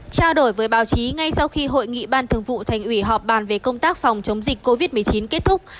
trao đổi với báo chí ngay sau khi hội nghị ban thường vụ thành ủy họp bàn về công tác phòng chống dịch covid một mươi chín kết thúc